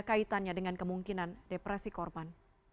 kaitannya dengan kemungkinan depresi korban